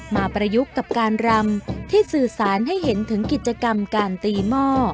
ประยุกต์กับการรำที่สื่อสารให้เห็นถึงกิจกรรมการตีหม้อ